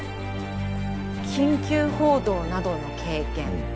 「緊急報道などの経験」。